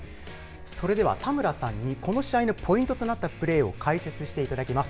それでは、田村さんにこの試合のポイントとなったプレーを解説していただきます。